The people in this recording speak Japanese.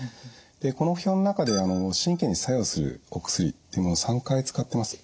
でこの表の中では神経に作用するお薬っていうものを３回使ってます。